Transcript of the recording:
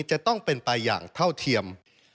จะต้องเป็นไปอย่างเท่าเทียม